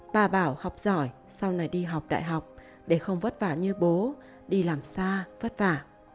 bà bảo học giỏi sau này đi học đại học để không vất vả như bố đi làm xa vất vả